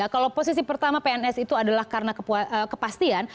kalau posisi pertama pns itu adalah karena kepastian